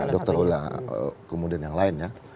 dokter ulla kemudian yang lainnya